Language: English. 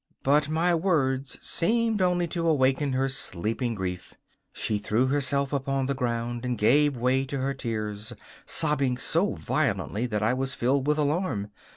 But my words seemed only to awaken her sleeping grief. She threw herself upon the ground and gave way to her tears, sobbing so violently that I was filled with alarm.